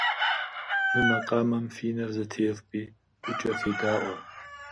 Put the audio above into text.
Мы макъамэм фи нэр зэтефпӏи гукӏэ федаӏуэ.